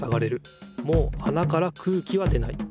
もうあなから空気は出ない。